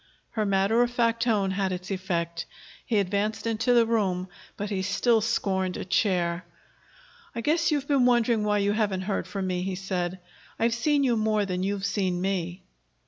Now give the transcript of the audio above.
Her matter of fact tone had its effect. He advanced into the room, but he still scorned a chair. "I guess you've been wondering why you haven't heard from me," he said. "I've seen you more than you've seen me."